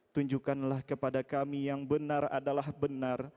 tunjukkanlah kepada kami yang benar adalah benar